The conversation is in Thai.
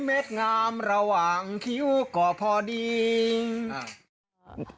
เม็ดงามระหว่างคิ้วก็พอดีอ่า